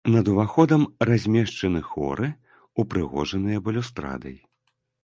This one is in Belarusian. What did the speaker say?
Над уваходам размешчаны хоры, упрыгожаныя балюстрадай.